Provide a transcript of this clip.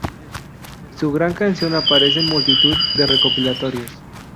Su gran canción aparece en multitud de recopilatorios.